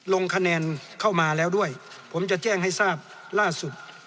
ลงคะแนนเข้ามาแล้วด้วยผมจะแจ้งให้ทราบล่าสุด